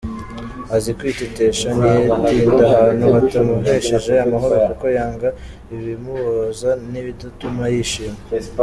Azi kwitetesha, ntiyatinda ahantu hatamuhesheje amahoro kuko yanga ibimubabaza n’ibidatuma yishima.